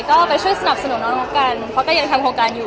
ก็ไปช่วยสนับสนุนน้องกันเขาก็ยังทำโครงการอยู่